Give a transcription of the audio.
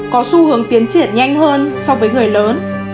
có xu hướng tiến triển nhanh hơn so với người lớn